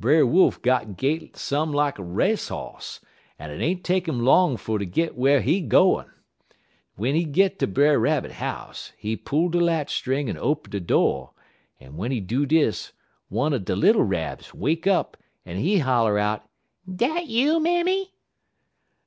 Brer Wolf got gait same lak race hoss, en it ain't take 'im long fer ter git whar he gwine. W'en he git ter Brer Rabbit house, he pull de latch string en open de do', en w'en he do dis, one er de little Rabs wake up, en he holler out: "'Dat you, mammy?'